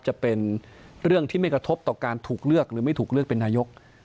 จะเป็นเรื่องที่ไม่กระทบต่อการถูกเลือกหรือไม่ถูกเลือกเป็นนายก